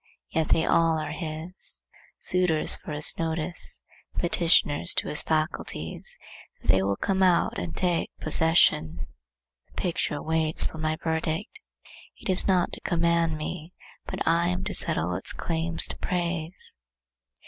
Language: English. Yet they all are his, suitors for his notice, petitioners to his faculties that they will come out and take possession. The picture waits for my verdict; it is not to command me, but I am to settle its claims to praise.